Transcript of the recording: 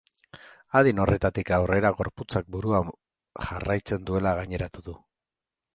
Adin horretatik aurrera gorputzak burua jarraitzen duela gaineratu du.